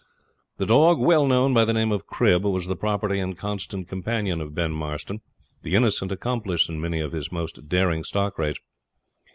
The dog, well known by the name of Crib, was the property and constant companion of Ben Marston, the innocent accomplice in many of his most daring stock raids.